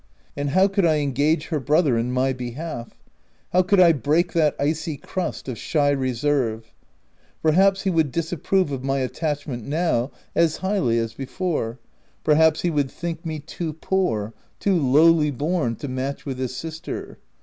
And how could I engage her brother in my behalf ? how could I break that icy crust of shy reserve ? Perhaps he would disapprove of my attachment now, as highly as before ; perhaps he would think me 256 THE TENANT too poor— too lowly born, to match with his sister.